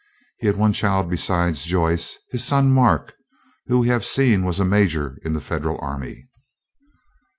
He had one child besides Joyce, his son Mark, who we have seen was a major in the Federal army.